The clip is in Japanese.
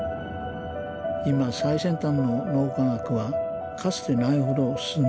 今最先端の脳科学はかつてないほど進んでいます。